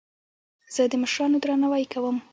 زه د مشرانو درناوی کوم.